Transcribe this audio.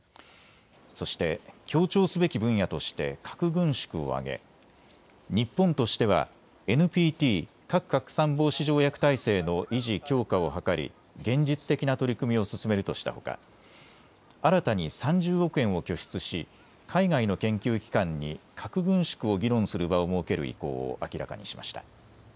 そして協調すべき分野として核軍縮を挙げ、日本としてはＮＰＴ・核拡散防止条約体制の維持・強化を図り現実的な取り組みを進めるとしたほか新たに３０億円を拠出し海外の研究機関に核軍縮を議論する場を設ける意向を明らかにしました。